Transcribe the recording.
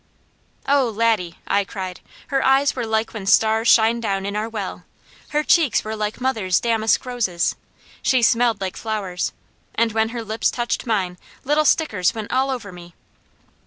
"Oh, Laddie," I cried. "Her eyes were like when stars shine down in our well! Her cheeks were like mother's damask roses! She smelled like flowers, and when her lips touched mine little stickers went all over me!"